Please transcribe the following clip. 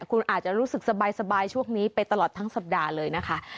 คุณอาจจะรู้สึกสบายช่วงนี้ไปตลอดทั้งสัปดาห์เลยนะคะ